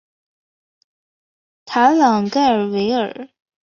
埃朗盖尔维尔。